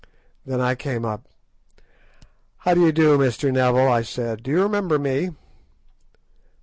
Then I came up. "How do you do, Mr. Neville?" I said; "do you remember me?"